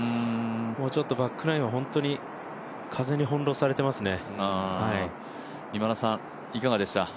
もうちょっとバックナインは風に翻弄されていますね。